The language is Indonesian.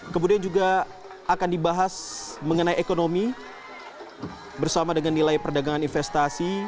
kemudian juga akan dibahas mengenai ekonomi bersama dengan nilai perdagangan investasi